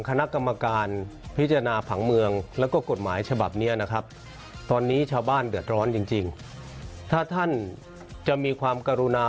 เกิดเลยฮะบุตรเกียรติ